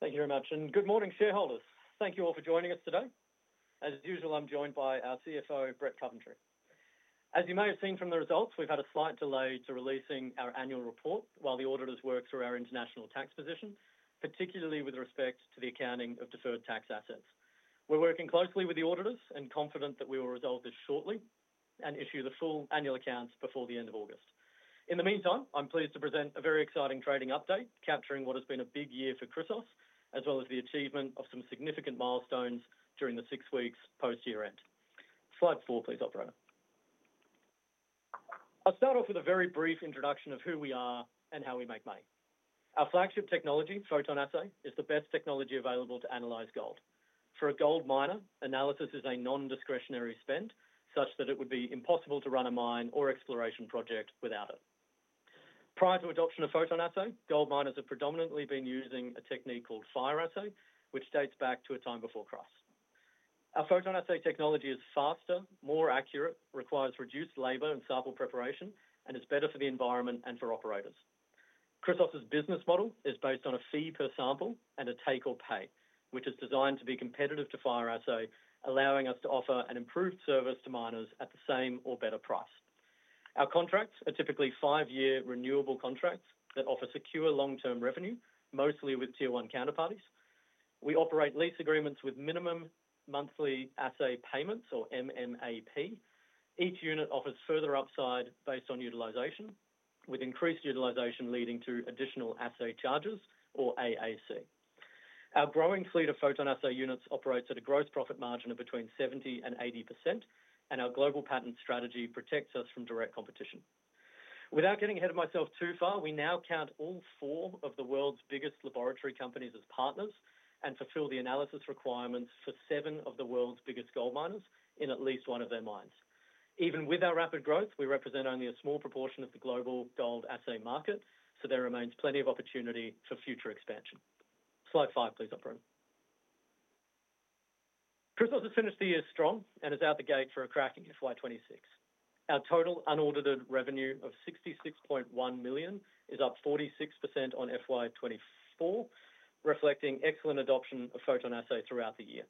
Thank you very much, and good morning, shareholders. Thank you all for joining us today. As usual, I'm joined by our CFO, Brett Coventry. As you may have seen from the results, we've had a slight delay to releasing our annual report while the auditors work through our international tax position, particularly with respect to the accounting of deferred tax assets. We're working closely with the auditors and confident that we will resolve this shortly and issue the full annual accounts before the end of August. In the meantime, I'm pleased to present a very exciting trading update, capturing what has been a big year for Chrysos, as well as the achievement of some significant milestones during the six weeks post-year end. Slide 4, please, operator. I'll start off with a very brief introduction of who we are and how we make money. Our flagship technology, PhotonAssay, is the best technology available to analyze gold. For a gold miner, analysis is a non-discretionary spend, such that it would be impossible to run a mine or exploration project without it. Prior to adoption of PhotonAssay, gold miners had predominantly been using a technique called fire assay, which dates back to a time before crust. Our PhotonAssay technology is faster, more accurate, requires reduced labor and sample preparation, and is better for the environment and for operators. Chrysos's business model is based on a fee per sample and a take or pay, which is designed to be competitive to fire assay, allowing us to offer an improved service to miners at the same or better price. Our contracts are typically five-year renewable contracts that offer secure long-term revenue, mostly with tier one counterparties. We operate lease agreements with minimum monthly assay payments, or MMAP. Each unit offers further upside based on utilization, with increased utilization leading to additional assay charges, or AAC. Our growing fleet of PhotonAssay units operates at a gross profit margin of between 70% and 80%, and our global patent strategy protects us from direct competition. Without getting ahead of myself too far, we now count all four of the world's biggest laboratory companies as partners and fulfill the analysis requirements for seven of the world's biggest gold miners in at least one of their mines. Even with our rapid growth, we represent only a small proportion of the global gold assay market, so there remains plenty of opportunity for future expansion. Slide 5, please, operator. Chrysos has finished the year strong and is out the gate for a cracking FY 2026. Our total unaudited revenue of $66.1 million is up 46% on FY 2024, reflecting excellent adoption of PhotonAssay throughout the year.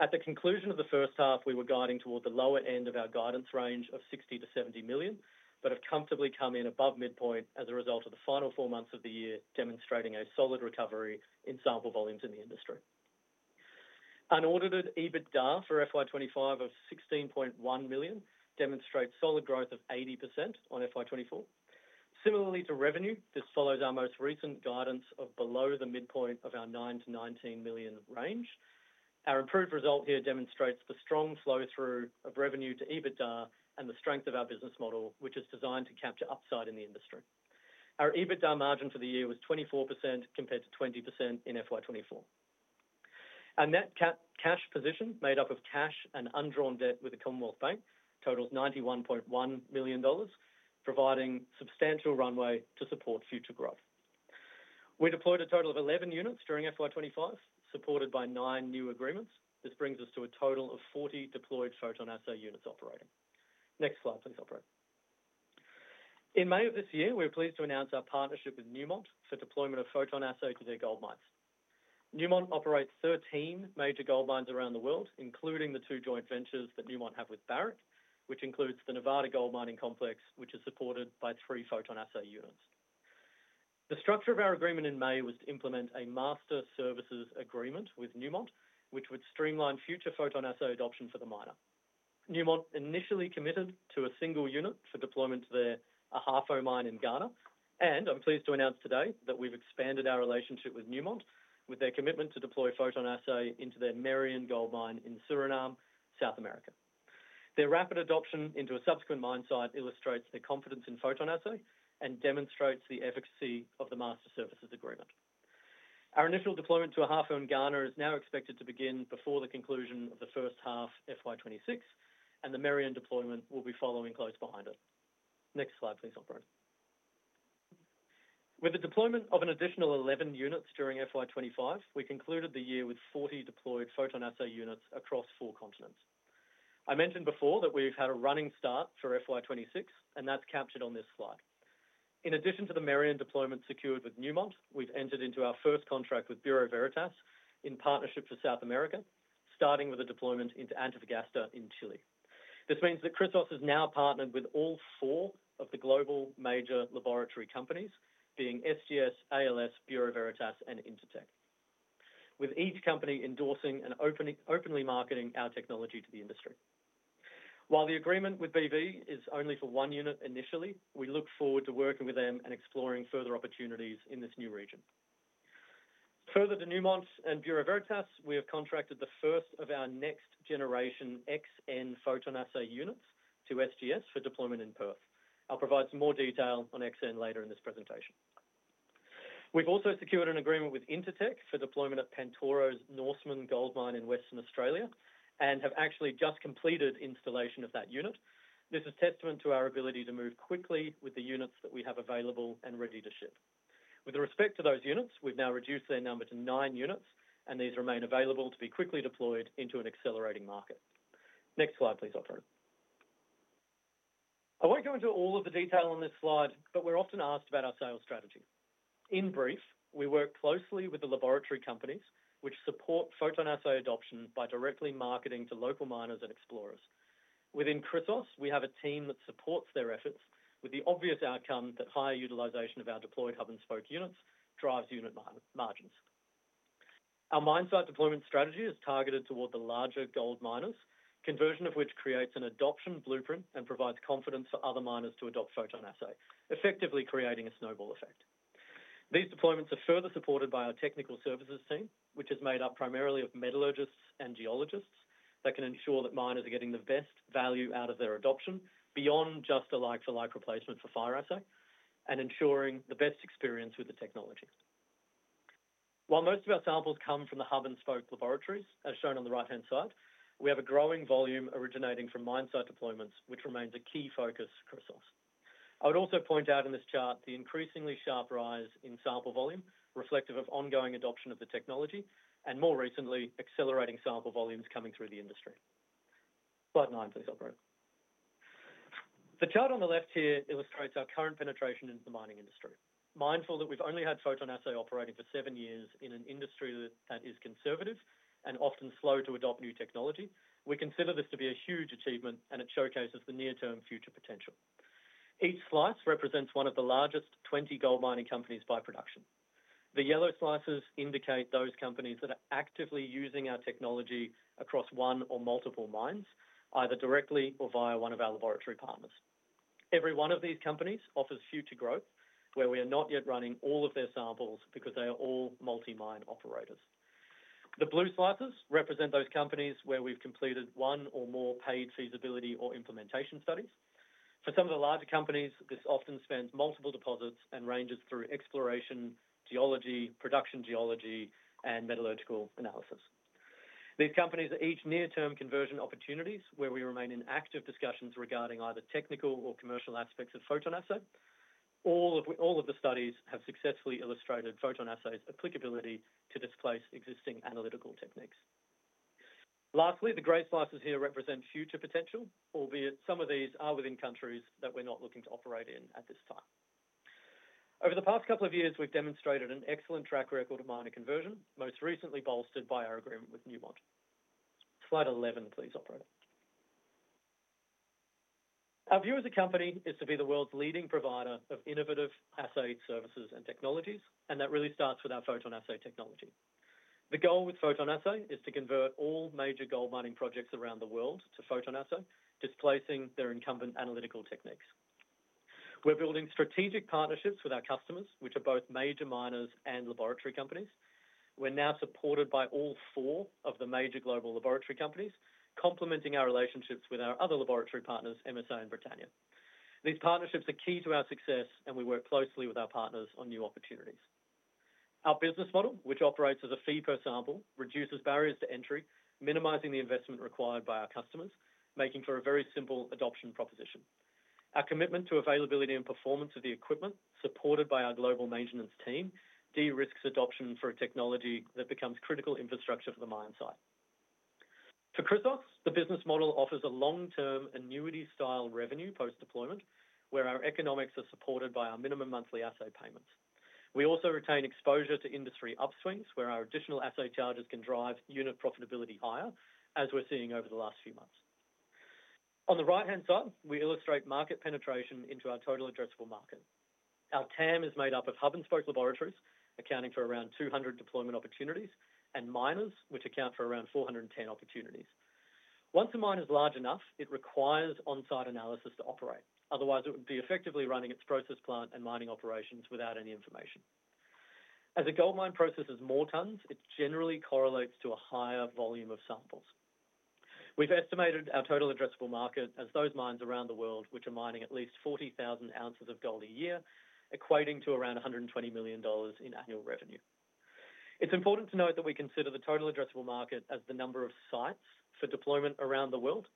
At the conclusion of the first-half, we were guiding toward the lower end of our guidance range of $60million-$70 million, but have comfortably come in above midpoint as a result of the final four months of the year, demonstrating a solid recovery in sample volumes in the industry. Unaudited EBITDA for FY 2025 of $16.1 million demonstrates solid growth of 80% on FY 2024. Similarly to revenue, this follows our most recent guidance of below the midpoint of our $9 million- $19 million range. Our improved result here demonstrates the strong flow-through of revenue to EBITDA and the strength of our business model, which is designed to capture upside in the industry. Our EBITDA margin for the year was 24% compared to 20% in FY 2024. Our net cash position, made up of cash and undrawn debt with the Commonwealth Bank, totals $91.1 million, providing substantial runway to support future growth. We deployed a total of 11 units during FY 2025, supported by nine new agreements. This brings us to a total of 40 deployed PhotonAssay units operating. Next slide, please, operator. In May of this year, we were pleased to announce our partnership with Newmont for deployment of PhotonAssay to their gold mines. Newmont operates 13 major gold mines around the world, including the two joint ventures that Newmont have with Barrick, which includes the Nevada Gold Mining Complex, which is supported by three PhotonAssay units. The structure of our agreement in May was to implement a master services agreement with Newmont, which would streamline future PhotonAssay adoption for the miner. Newmont initially committed to a single unit for deployment to their Ahafo Mine in Ghana, and I'm pleased to announce today that we've expanded our relationship with Newmont, with their commitment to deploy PhotonAssay into their Marion Gold Mine in Suriname, South America. Their rapid adoption into a subsequent mine site illustrates their confidence in PhotonAssay and demonstrates the efficacy of the master services agreement. Our initial deployment to Ahafo in Ghana is now expected to begin before the conclusion of the first half FY 2026, and the Marion deployment will be following close behind it. Next slide, please, operator. With the deployment of an additional 11 units during FY 2025, we concluded the year with 40 deployed PhotonAssay units across four continents. I mentioned before that we've had a running start for FY 2026, and that's captured on this slide. In addition to the Marion deployment secured with Newmont, we've entered into our first contract with Bureau Veritas in partnership for South America, starting with a deployment into Antofagasta in Chile. This means that Chrysos has now partnered with all four of the global major laboratory companies, being SGS, ALS, Bureau Veritas, and Intertek, with each company endorsing and openly marketing our technology to the industry. While the agreement with Bureau is only for one unit initially, we look forward to working with them and exploring further opportunities in this new region. Further to Newmont and Bureau Veritas, we have contracted the first of our next generation XN PhotonAssay units to SGS for deployment in Perth. I'll provide more detail on XN later in this presentation. We've also secured an agreement with Intertek for deployment at Pantoro's Norseman Gold Mine in Western Australia and have actually just completed installation of that unit. This is a testament to our ability to move quickly with the units that we have available and ready to ship. With respect to those units, we've now reduced their number to nine units, and these remain available to be quickly deployed into an accelerating market. Next slide, please, operator. I won't go into all of the detail on this slide, but we're often asked about our sales strategy. In brief, we work closely with the laboratory companies which support PhotonAssay adoption by directly marketing to local miners and explorers. Within Chrysos, we have a team that supports their efforts, with the obvious outcome that higher utilization of our deployed hub and spoke units drives unit margins. Our mine site deployment strategy is targeted toward the larger gold miners, conversion of which creates an adoption blueprint and provides confidence for other miners to adopt PhotonAssay, effectively creating a snowball effect. These deployments are further supported by our technical services team, which is made up primarily of metallurgists and geologists that can ensure that miners are getting the best value out of their adoption beyond just a like-for-like replacement for fire assay and ensuring the best experience with the technology. While most of our samples come from the hub and spoke laboratories, as shown on the right-hand side, we have a growing volume originating from mine site deployments, which remains a key focus for Chrysos. I would also point out in this chart the increasingly sharp rise in sample volume, reflective of ongoing adoption of the technology and, more recently, accelerating sample volumes coming through the industry. Slide 9, please, operator. The chart on the left here illustrates our current penetration into the mining industry. Mindful that we've only had PhotonAssay operating for seven years in an industry that is conservative and often slow to adopt new technology, we consider this to be a huge achievement, and it showcases the near-term future potential. Each slice represents one of the largest 20 gold mining companies by production. The yellow slices indicate those companies that are actively using our technology across one or multiple mines, either directly or via one of our laboratory partners. Every one of these companies offers future growth, where we are not yet running all of their samples because they are all multi-mine operators. The blue slices represent those companies where we've completed one or more paid feasibility or implementation studies. For some of the larger companies, this often spans multiple deposits and ranges through exploration, geology, production geology, and metallurgical analysis. These companies are each near-term conversion opportunities where we remain in active discussions regarding either technical or commercial aspects of PhotonAssay. All of the studies have successfully illustrated PhotonAssay's applicability to displace existing analytical techniques. Lastly, the gray slices here represent future potential, albeit some of these are within countries that we're not looking to operate in at this time. Over the past couple of years, we've demonstrated an excellent track record of miner conversion, most recently bolstered by our agreement with Newmont. Slide 11, please, operator. Our view as a company is to be the world's leading provider of innovative assay services and technologies, and that really starts with our PhotonAssay technology. The goal with PhotonAssay is to convert all major gold mining projects around the world to PhotonAssay, displacing their incumbent analytical techniques. We're building strategic partnerships with our customers, which are both major miners and laboratory companies. We're now supported by all four of the major global laboratory companies, complementing our relationships with our other laboratory partners, MSA and Britannia. These partnerships are key to our success, and we work closely with our partners on new opportunities. Our business model, which operates as a fee per sample, reduces barriers to entry, minimizing the investment required by our customers, making for a very simple adoption proposition. Our commitment to availability and performance of the equipment, supported by our global maintenance team, de-risks adoption for a technology that becomes critical infrastructure to the mine site. For Chrysos, the business model offers a long-term annuity-style revenue post-deployment, where our economics are supported by our minimum monthly assay payments. We also retain exposure to industry upswings, where our additional assay charges can drive unit profitability higher, as we're seeing over the last few months. On the right-hand side, we illustrate market penetration into our total addressable market. Our TAM is made up of hub and spoke laboratories, accounting for around 200 deployment opportunities, and miners, which account for around 410 opportunities. Once a mine is large enough, it requires on-site analysis to operate. Otherwise, it would be effectively running its process plant and mining operations without any information. As a gold mine processes more tons, it generally correlates to a higher volume of samples. We've estimated our total addressable market as those mines around the world which are mining at least 40,000 ounces of gold a year, equating to around $120 million in annual revenue. It's important to note that we consider the total addressable market as the number of sites for deployment around the world,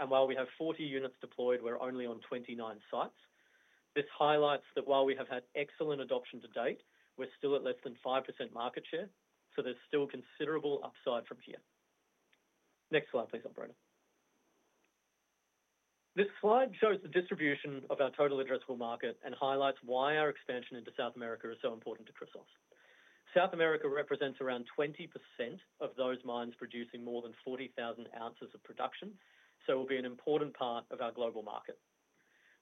and while we have 40 units deployed, we're only on 29 sites. This highlights that while we have had excellent adoption to date, we're still at less than 5% market share, so there's still considerable upside from here. Next slide, please, operator. This slide shows the distribution of our total addressable market and highlights why our expansion into South America is so important to Chrysos. South America represents around 20% of those mines producing more than 40,000 ounces of production, so it will be an important part of our global market.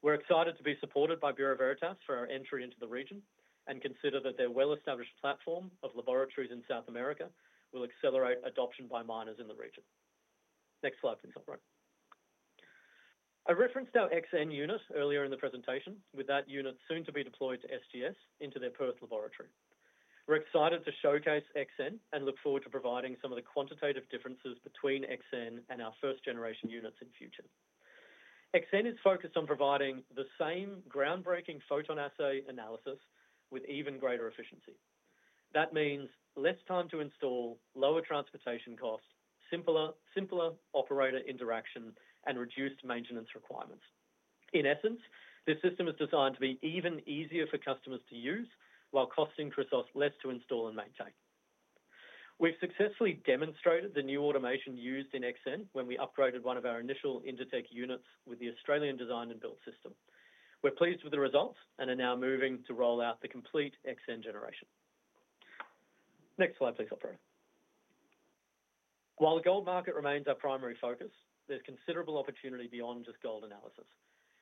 We're excited to be supported by Bureau Veritas for our entry into the region and consider that their well-established platform of laboratories in South America will accelerate adoption by miners in the region. Next slide, please, operator. I referenced our XN unit earlier in the presentation, with that unit soon to be deployed to SGS into their Perth laboratory. We're excited to showcase XN and look forward to providing some of the quantitative differences between XN and our first-generation units in the future. XN is focused on providing the same groundbreaking PhotonAssay analysis with even greater efficiency. That means less time to install, lower transportation cost, simpler operator interaction, and reduced maintenance requirements. In essence, this system is designed to be even easier for customers to use, while costing Chrysos less to install and maintain. We've successfully demonstrated the new automation used in XN when we upgraded one of our initial Intertek units with the Australian design and build system. We're pleased with the results and are now moving to roll out the complete XN generation. Next slide, please, operator. While the gold market remains our primary focus, there's considerable opportunity beyond just gold analysis.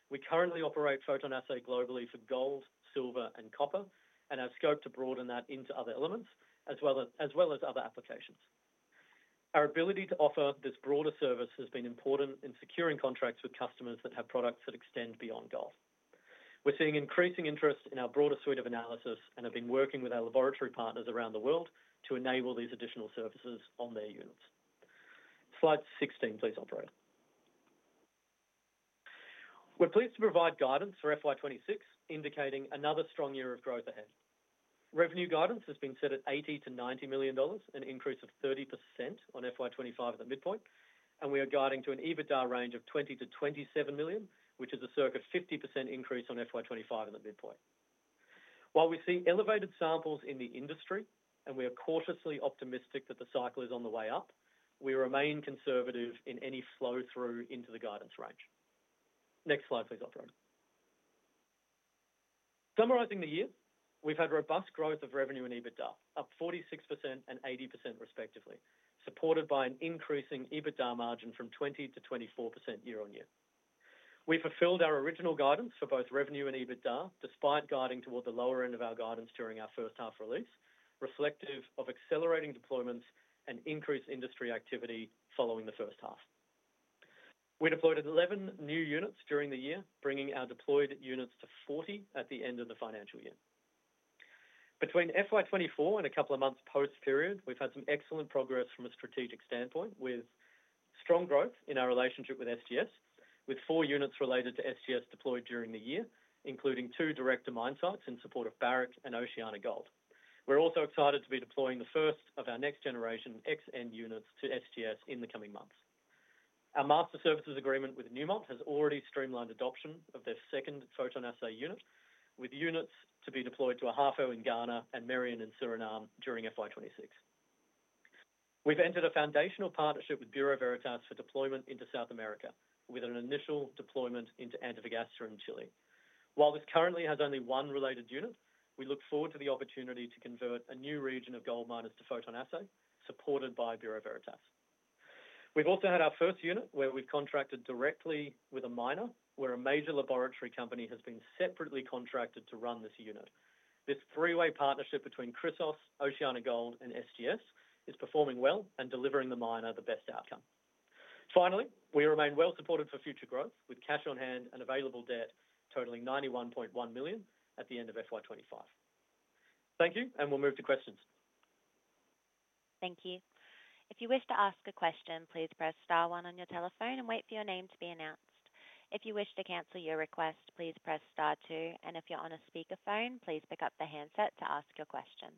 We currently operate PhotonAssay globally for gold, silver, and copper, and have scope to broaden that into other elements, as well as other applications. Our ability to offer this broader service has been important in securing contracts with customers that have products that extend beyond gold. We're seeing increasing interest in our broader suite of analysis and have been working with our laboratory partners around the world to enable these additional services on their units. Slide 16, please, operator. We're pleased to provide guidance for FY 2026, indicating another strong year of growth ahead. Revenue guidance has been set at $80 million-$90 million, an increase of 30% on FY 2025 at the midpoint, and we are guiding to an EBITDA range of $20 million-$27 million, which is a circa 50% increase on FY 2025 at the midpoint. While we see elevated samples in the industry, and we are cautiously optimistic that the cycle is on the way up, we remain conservative in any flow-through into the guidance range. Next slide, please, operator. Summarizing the year, we've had robust growth of revenue and EBITDA, up 46% and 80% respectively, supported by an increasing EBITDA margin from 20% to 24% yea-on-year. We fulfilled our original guidance for both revenue and EBITDA, despite guiding toward the lower end of our guidance during our first half release, reflective of accelerating deployments and increased industry activity following the first--half. We deployed 11 new units during the year, bringing our deployed units to 40 at the end of the financial year. Between FY 2024 and a couple of months post-period, we've had some excellent progress from a strategic standpoint, with strong growth in our relationship with SGS, with four units related to SGS deployed during the year, including two direct mine sites in support of Barrick and OceanaGold. We're also excited to be deploying the first of our next generation XN units to SGS in the coming months. Our master services agreement with Newmont has already streamlined adoption of their second PhotonAssay unit, with units to be deployed to Ahafo in Ghana and Marion in Suriname during FY 2026. We've entered a foundational partnership with Bureau Veritas for deployment into South America, with an initial deployment into Antofagasta in Chile. While this currently has only one related unit, we look forward to the opportunity to convert a new region of gold miners to PhotonAssay, supported by Bureau Veritas. We've also had our first unit where we've contracted directly with a miner, where a major laboratory company has been separately contracted to run this unit. This three-way partnership between Chrysos, OceanaGold, and SGS is performing well and delivering the miner the best outcome. Finally, we remain well supported for future growth, with cash on hand and available debt totaling $91.1 million at the end of FY 2025. Thank you, and we'll move to questions. Thank you. If you wish to ask a question, please press star one on your telephone and wait for your name to be announced. If you wish to cancel your request, please press star two, and if you're on a speaker phone, please pick up the handset to ask your question.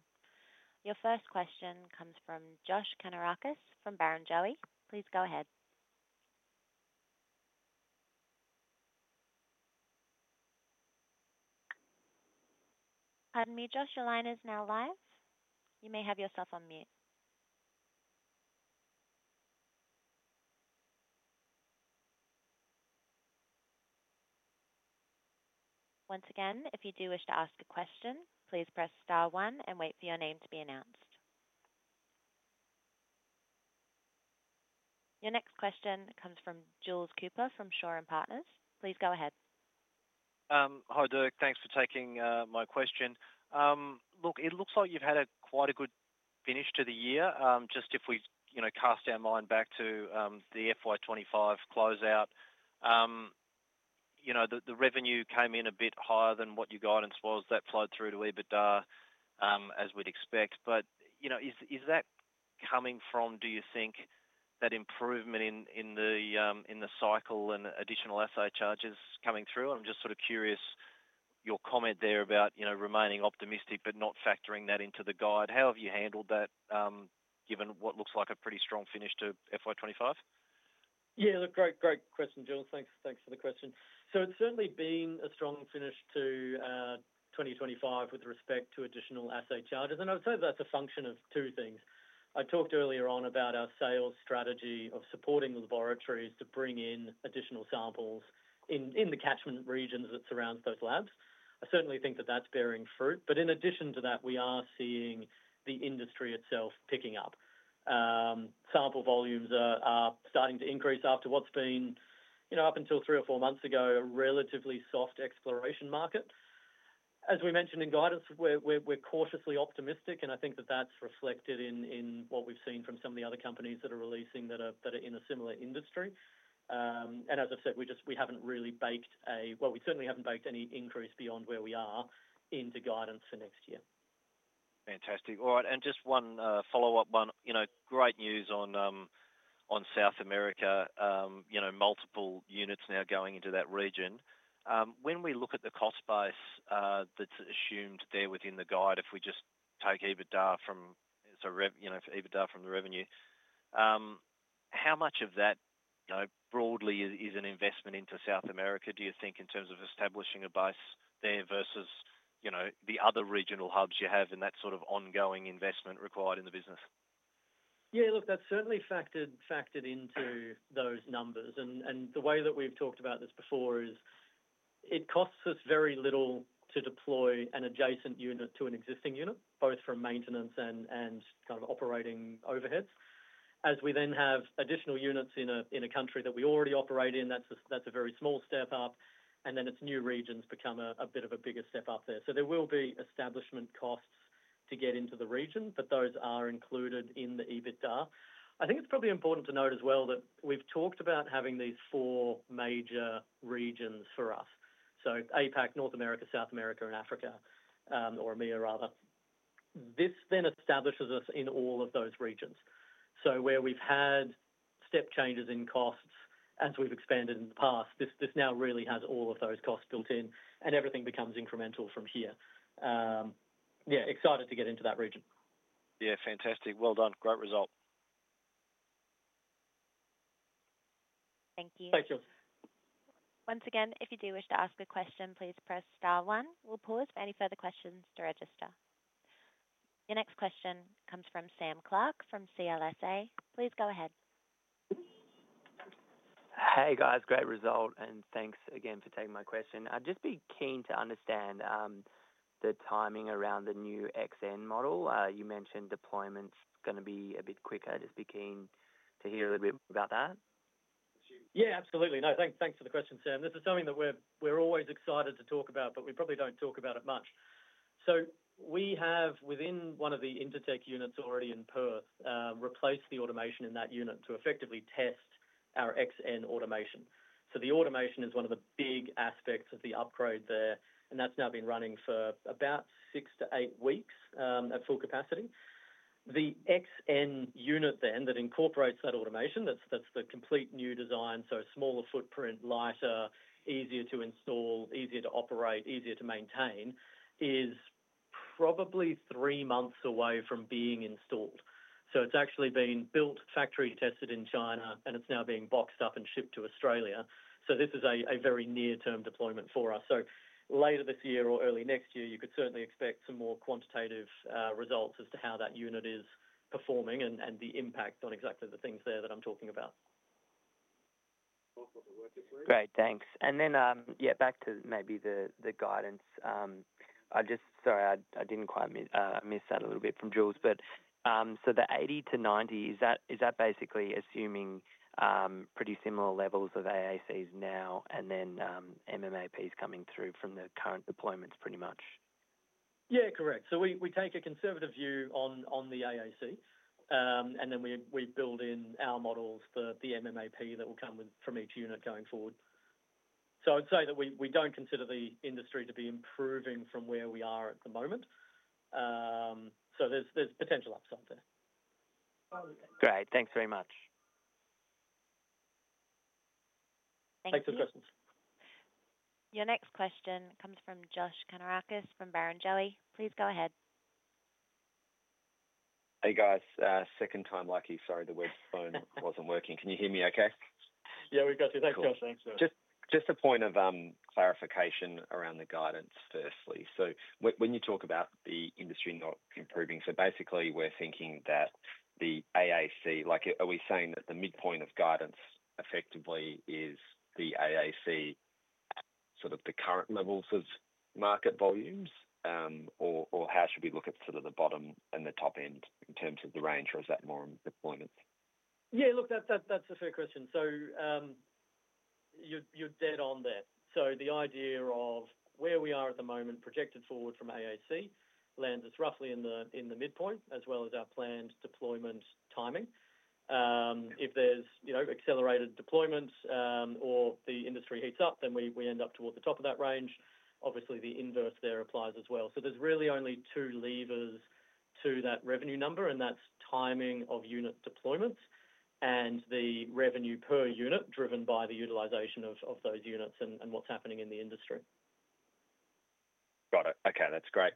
Your first question comes from Josh Kannourakis from Barrenjoey. Please go ahead. Pardon me, Josh, your line is now live. You may have yourself on mute. Once again, if you do wish to ask a question, please press star one and wait for your name to be announced. Your next question comes from Jules Cooper from Shore and Partners. Please go ahead. Hi Dirk, thanks for taking my question. It looks like you've had quite a good finish to the year. If we cast our mind back to the FY 2025 closeout, the revenue came in a bit higher than what your guidance was. That flowed through to EBITDA as we'd expect. Is that coming from, do you think, that improvement in the cycle and additional assay charges coming through? I'm just curious your comment there about remaining optimistic but not factoring that into the guide. How have you handled that, given what looks like a pretty strong finish to FY 2025? Yeah, great question, Jules. Thanks for the question. It's certainly been a strong finish to 2025 with respect to additional assay charges, and I'd say that's a function of two things. I talked earlier on about our sales strategy of supporting laboratories to bring in additional samples in the catchment regions that surround those labs. I certainly think that's bearing fruit. In addition to that, we are seeing the industry itself picking up. Sample volumes are starting to increase after what's been, up until three or four months ago, a relatively soft exploration market. As we mentioned in guidance, we're cautiously optimistic, and I think that's reflected in what we've seen from some of the other companies that are releasing that are in a similar industry. As I've said, we just haven't really baked a, we certainly haven't baked any increase beyond where we are into guidance for next year. Fantastic. All right, just one follow-up, great news on South America, multiple units now going into that region. When we look at the cost base that's assumed there within the guide, if we just take EBITDA from the revenue, how much of that broadly is an investment into South America, do you think, in terms of establishing a base there versus the other regional hubs you have and that sort of ongoing investment required in the business? Yeah, look, that's certainly factored into those numbers, and the way that we've talked about this before is it costs us very little to deploy an adjacent unit to an existing unit, both for maintenance and kind of operating overheads. As we then have additional units in a country that we already operate in, that's a very small step up, and as new regions become a bit of a bigger step up there. There will be establishment costs to get into the region, but those are included in the EBITDA. I think it's probably important to note as well that we've talked about having these four major regions for us, so APAC, North America, South America, and Africa, or EMEA rather. This then establishes us in all of those regions. Where we've had step changes in costs as we've expanded in the past, this now really has all of those costs built in, and everything becomes incremental from here. Yeah, excited to get into that region. Yeah, fantastic. Well done. Great result. Thank you. Thank you. Once again, if you do wish to ask a question, please press star one. We'll pause for any further questions to register. Your next question comes from Sam Clark from CLSA. Please go ahead. Hey guys, great result, and thanks again for taking my question. I'd just be keen to understand the timing around the new XN model. You mentioned deployment's going to be a bit quicker. I'd just be keen to hear a little bit about that. Yeah, absolutely. No, thanks for the question, Sam. This is something that we're always excited to talk about, but we probably don't talk about it much. We have, within one of the Intertek units already in Perth, replaced the automation in that unit to effectively test our XN automation. The automation is one of the big aspects of the upgrade there, and that's now been running for about six to eight weeks at full capacity. The XN unit that incorporates that automation, that's the complete new design, so smaller footprint, lighter, easier to install, easier to operate, easier to maintain, is probably three months away from being installed. It's actually been built, factory tested in China, and it's now being boxed up and shipped to Australia. This is a very near-term deployment for us. Later this year or early next year, you could certainly expect some more quantitative results as to how that unit is performing and the impact on exactly the things there that I'm talking about. Great, thanks. Yeah, back to maybe the guidance. I just, sorry, I missed that a little bit from Jules, but the $80 million-90 million, is that basically assuming pretty similar levels of AACs now and then MMAPs coming through from the current deployments pretty much? Yeah, correct. We take a conservative view on the AAC, and then we build in our models for the MMAP that will come from each unit going forward. I'd say that we don't consider the industry to be improving from where we are at the moment. There's potential upside there. Great, thanks very much. Thanks for the questions. Your next question comes from Josh Kannourakis from Barrenjoey. Please go ahead. Hey guys, second time lucky. Sorry, the web phone wasn't working. Can you hear me okay? Yeah, we've got you. Thanks, Josh. Just a point of clarification around the guidance, firstly. When you talk about the industry not improving, we're thinking that the additional assay charges, like are we saying that the midpoint of guidance effectively is the AAC at the current levels of market volumes, or how should we look at the bottom and the top end in terms of the range, or is that more on deployments? Yeah, look, that's a fair question. You're dead on there. The idea of where we are at the moment projected forward from AAC lands us roughly in the midpoint as well as our planned deployment timing. If there's accelerated deployment or the industry heats up, then we end up toward the top of that range. Obviously, the inverse there applies as well. There's really only two levers to that revenue number, and that's timing of unit deployments and the revenue per unit driven by the utilization of those units and what's happening in the industry. Got it. Okay, that's great.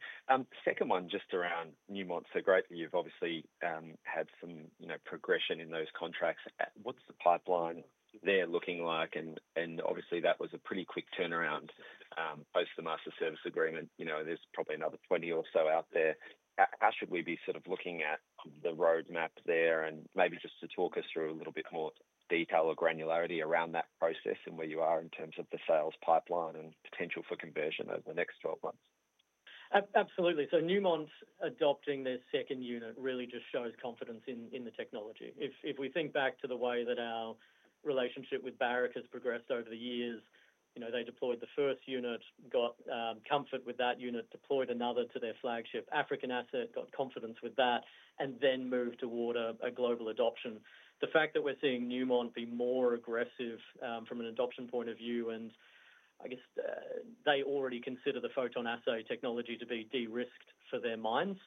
Second one just around Newmont. Great that you've obviously had some progression in those contracts. What's the pipeline there looking like? Obviously, that was a pretty quick turnaround post the master service agreement. There's probably another 20 or so out there. How should we be sort of looking at the roadmap there? Maybe just talk us through a little bit more detail or granularity around that process and where you are in terms of the sales pipeline and potential for conversion over the next 12 months. Absolutely. Newmont's adopting their second unit really just shows confidence in the technology. If we think back to the way that our relationship with Barrick has progressed over the years, they deployed the first unit, got comfort with that unit, deployed another to their flagship African asset, got confidence with that, and then moved toward a global adoption. The fact that we're seeing Newmont be more aggressive from an adoption point of view, and I guess they already consider the PhotonAssay technology to be de-risked for their mines.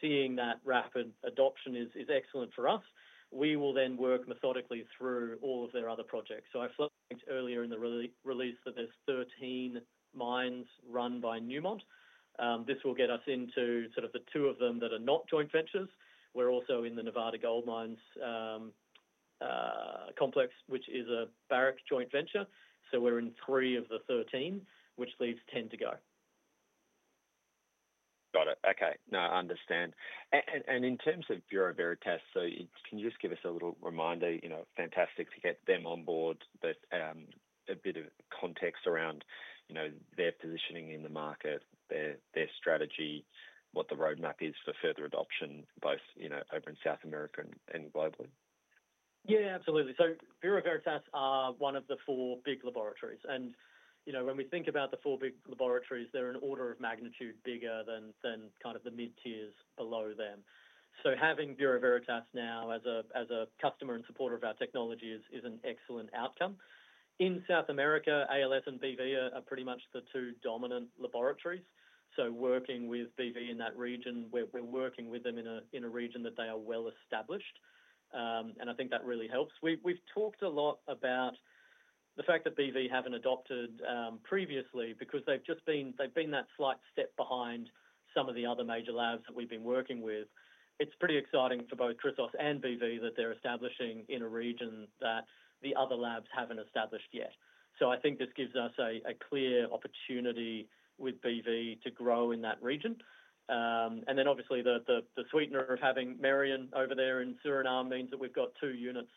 Seeing that rapid adoption is excellent for us. We will then work methodically through all of their other projects. I flipped earlier in the release that there's 13 mines run by Newmont. This will get us into sort of the two of them that are not joint ventures. We're also in the Nevada Gold Mines Complex, which is a Barrick joint venture. We're in three of the 13, which leaves 10 to go. Got it. Okay. No, I understand. In terms of Bureau Veritas, can you just give us a little reminder? You know, fantastic to get them on board, but a bit of context around their positioning in the market, their strategy, what the roadmap is for further adoption, both over in South America and globally. Yeah, absolutely. Bureau Veritas are one of the four big laboratories. When we think about the four big laboratories, they're an order of magnitude bigger than the mid-tiers below them. Having Bureau Veritas now as a customer and supporter of our technology is an excellent outcome. In South America, ALS and Bureau Veritas are pretty much the two dominant laboratories. Working with Bureau in that region, we're working with them in a region that they are well established. I think that really helps. We've talked a lot about the fact that Bureau haven't adopted previously because they've just been that slight step behind some of the other major labs that we've been working with. It's pretty exciting for both Chrysos and Bureau that they're establishing in a region that the other labs haven't established yet. I think this gives us a clear opportunity with Bureau to grow in that region. Obviously, the sweetener of having Marion over there in Suriname means that we've got two units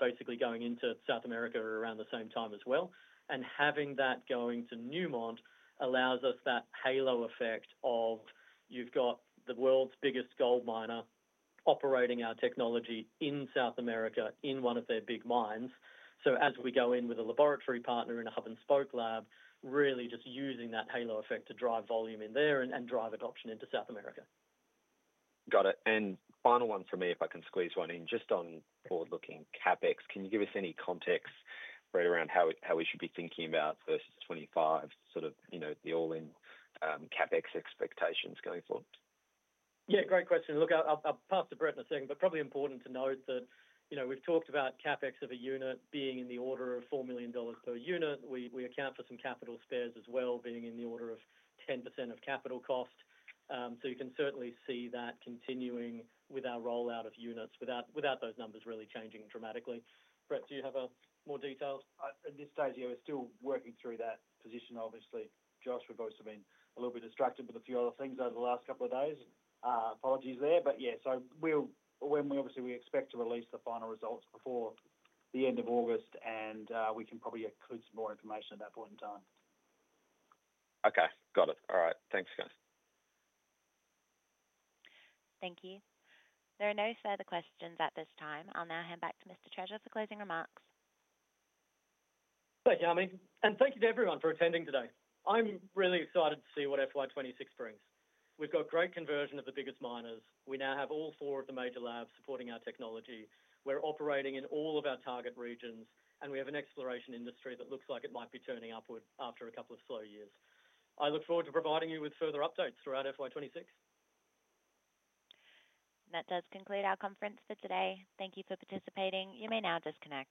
basically going into South America around the same time as well. Having that going to Newmont allows us that halo effect of you've got the world's biggest gold miner operating our technology in South America in one of their big mines. As we go in with a laboratory partner in a hub and spoke lab, really just using that halo effect to drive volume in there and drive adoption into South America. Got it. Final one from me, if I can squeeze one in just on forward-looking CapEx. Can you give us any context around how we should be thinking about first 2025, sort of, you know, the all-in CapEx expectations going forward? Yeah, great question. Look, I'll pass to Brett in a second, but probably important to note that, you know, we've talked about CapEx of a unit being in the order of $4 million per unit. We account for some capital spares as well, being in the order of 10% of capital cost. You can certainly see that continuing with our rollout of units without those numbers really changing dramatically. Brett, do you have a more detail? At this stage, yeah, we're still working through that position, obviously. Josh, we've also been a little bit distracted with a few other things over the last couple of days. Apologies there. We obviously expect to release the final results before the end of August, and we can probably include some more information at that point in time. Okay, got it. All right, thanks guys. Thank you. There are no further questions at this time. I'll now hand back to Mr. Treasure for closing remarks. Thank you, and thank you to everyone for attending today. I'm really excited to see what FY 2026 brings. We've got great conversion of the biggest miners. We now have all four of the major labs supporting our technology. We're operating in all of our target regions, and we have an exploration industry that looks like it might be turning upward after a couple of slow years. I look forward to providing you with further updates throughout FY 2026. That does conclude our conference for today. Thank you for participating. You may now disconnect.